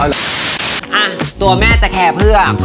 ตัวแม่จะแคร์เพื่อ